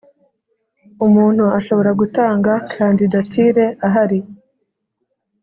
Umuntu ashobora gutanga kandidatire ahari